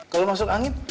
kalau masuk angin